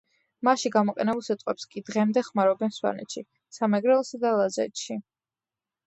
მასში გამოყენებულ სიტყვებს კი დღემდე ხმარობენ სვანეთში, სამეგრელოსა და ლაზეთში.